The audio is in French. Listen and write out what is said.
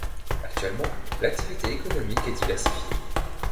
Actuellement, l'activité économique est diversifiée.